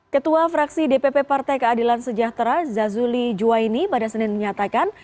ketua fraksi dpp partai keadilan sejahtera zazuli juwaini pada senin menyatakan